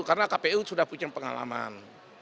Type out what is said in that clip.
karena kpu sudah punya pengalaman